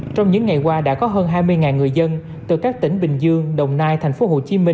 trong những ngày qua đã có hơn hai mươi người dân từ các tỉnh bình dương đồng nai tp hcm